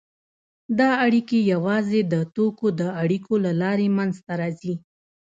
دا اړیکې یوازې د توکو د اړیکو له لارې منځته راځي